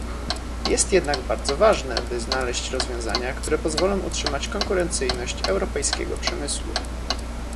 Jest jednak bardzo ważne, by znaleźć rozwiązania, które pozwolą utrzymać konkurencyjność europejskiego przemysłu